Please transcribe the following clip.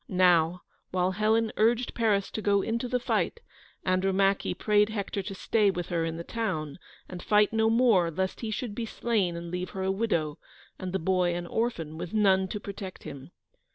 Now, while Helen urged Paris to go into the fight, Andromache prayed Hector to stay with her in the town, and fight no more lest he should be slain and leave her a widow, and the boy an orphan, with none to protect him.